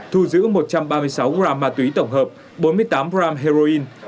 thu giữ một trăm ba mươi sáu gram ma túy tổng hợp bốn mươi tám gram heroin